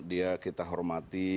dia kita hormati